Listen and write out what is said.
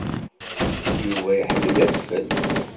Yuba iḥemmel adfel.